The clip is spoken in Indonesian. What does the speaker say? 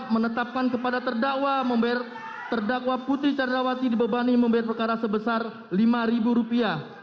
menetapkan kepada terdakwa putri candrawati dibebani membayar perkara sebesar lima rupiah